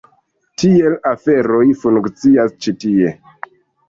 Tiel aferoj funkcias ĉi tie.